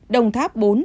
đồng tháp bốn